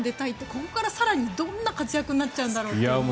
ここから更にどんな活躍になっちゃうんだろうというのは。